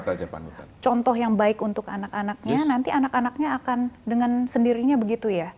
contoh yang baik untuk anak anaknya nanti anak anaknya akan dengan sendirinya begitu ya